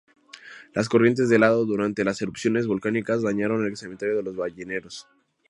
Las corrientes de lodo durante las erupciones volcánicas dañaron el cementerio de los balleneros.